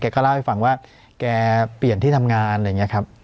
ก็เล่าให้ฟังว่าแกเปลี่ยนที่ทำงานอะไรอย่างนี้ครับ